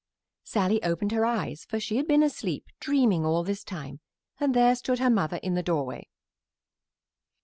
Sallie opened her eyes, for she had been asleep, dreaming all this time, and there stood her mother in the doorway.